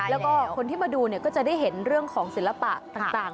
แล้วก็คนที่มาดูก็จะได้เห็นเรื่องของศิลปะต่าง